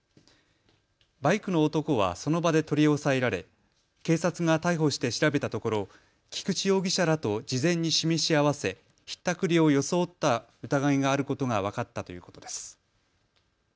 バイクの男はその場で取り押さえられ警察が逮捕して調べたところ、菊地容疑者らと事前に示し合わせひったくりを装った疑いがあることが分かったということです。